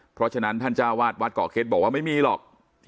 เพราะฉะนั้นท่านเจ้าวาดวัดเกาะเข็ดบอกว่าไม่มีหรอก